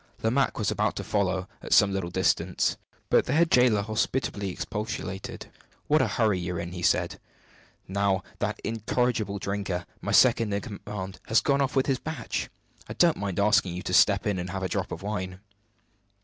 Lomaque was about to follow at some little distance, but the head jailer hospitably expostulated. "What a hurry you're in!" said he. "Now that incorrigible drinker, my second in command, has gone off with his batch, I don't mind asking you to step in and have a drop of wine."